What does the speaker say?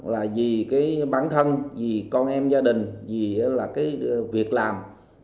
là vì bản thân vì con em gia đình vì việc làm